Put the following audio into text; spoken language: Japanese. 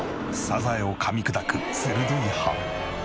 サザエをかみ砕く鋭い歯。